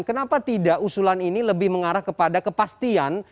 kenapa tidak usulan ini lebih mengarah kepada kepastian